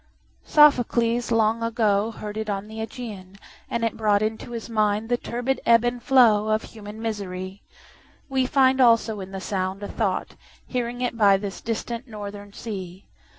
Sophocles long agoHeard it on the Ægæan, and it broughtInto his mind the turbid ebb and flowOf human misery; weFind also in the sound a thought, Hearing it by this distant northern sea.